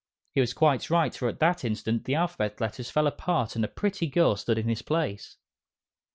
He was quite right, for at that instant the Alphabet Letters fell apart and a pretty girl stood in his place.